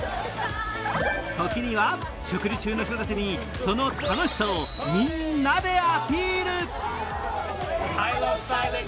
時には食事中の人たちにその楽しさをみんなでアピール。